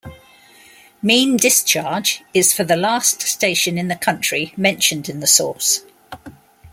Mean discharge is for the last station in the country mentioned in the source.